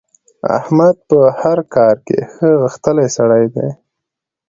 احمد په هر کار کې ښه غښتلی سړی دی.